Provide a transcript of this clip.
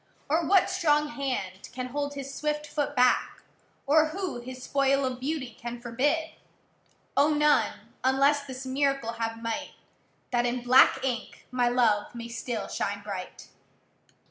Or what strong hand can hold his swift foot back? Or who his spoil of beauty can forbid? O! none, unless this miracle have might, That in black ink my love may still shine bright.